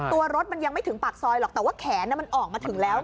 ตัวรถมันยังไม่ถึงปากซอยหรอกแต่ว่าแขนมันออกมาถึงแล้ว